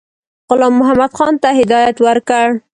غلام محمدخان ته هدایت ورکړ.